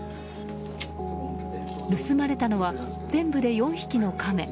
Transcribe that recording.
盗まれたのは全部で４匹のカメ。